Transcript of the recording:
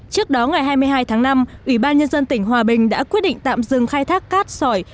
trước đó ngày hai mươi hai tháng năm ủy ban nhân dân tỉnh hòa bình đã quyết định tạm dừng khai thác cát sỏi